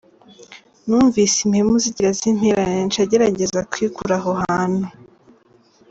Numvise impemu zigira zimperane nca ngerageza kwikura aho hantu.